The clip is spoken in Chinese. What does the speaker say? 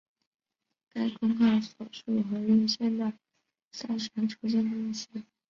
该公告所述和原先的赛程出现分歧。